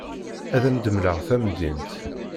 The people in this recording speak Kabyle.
Ad am-d-mleɣ tamdint.